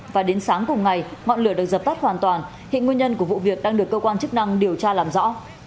và đến sáng cùng ngày ngọn lửa được dập tắt hoàn toàn hiện nguyên nhân của vụ việc đang được cơ quan chức năng điều tra làm rõ